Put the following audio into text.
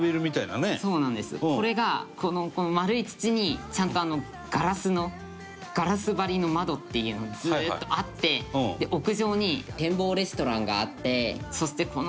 これがこの丸い筒にちゃんとガラスのガラス張りの窓っていうのがずっとあって屋上に展望レストランがあってそしてこのなんかやっぱり